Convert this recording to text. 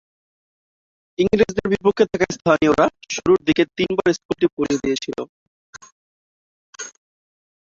ইংরেজদের বিপক্ষে থাকা স্থানীয়রা শুরুর দিকে তিনবার স্কুলটি পুড়িয়ে দিয়েছিল।